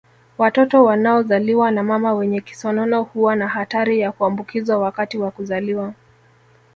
Watoto wanaozaliwa na mama wenye kisonono huwa na hatari ya kuambukizwa wakati wa kuzaliwa